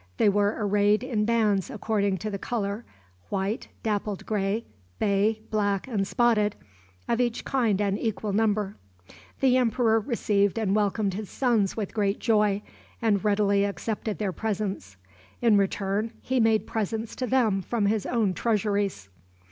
They were arrayed in bands according to the color, white, dappled gray, bay, black, and spotted, of each kind an equal number. The emperor received and welcomed his sons with great joy, and readily accepted their presents. In return, he made presents to them from his own treasuries.